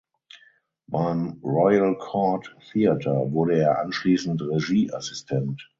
Beim Royal Court Theatre wurde er anschließend Regieassistent.